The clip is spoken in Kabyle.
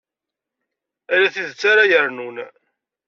Ala tidet ara yernun.